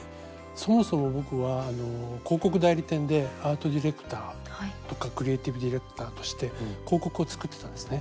そもそも僕は広告代理店でアートディレクターとかクリエイティブディレクターとして広告を作ってたんですね。